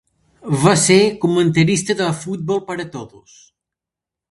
Va ser comentarista de Fútbol Para Todos.